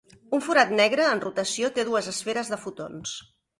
Un forat negre en rotació té dues esferes de fotons.